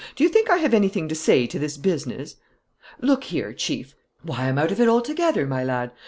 Do you think I have anything to say to this business?" "Look here, Chief " "Why, I'm out of it altogether, my lad!